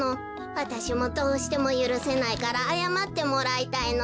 わたしもどうしてもゆるせないからあやまってもらいたいの。